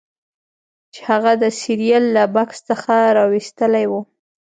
چې هغه د سیریل له بکس څخه راویستلی و